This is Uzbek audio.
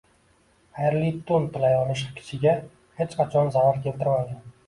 xayrli tun tilay olish kishiga hech qachon zarar keltirmagan.